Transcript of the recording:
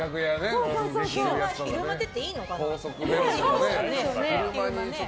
昼間出ていいのかな。